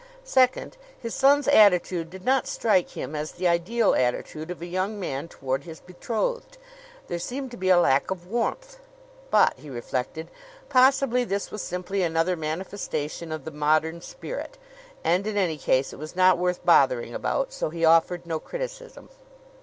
Second, his son's attitude did not strike him as the ideal attitude of a young man toward his betrothed. There seemed to be a lack of warmth. But, he reflected, possibly this was simply another manifestation of the modern spirit; and in any case it was not worth bothering about; so he offered no criticism.